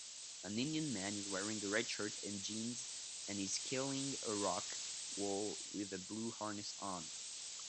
An indian man is wearing a red shirt and jeans and is scaling a rock wall with a blue harness on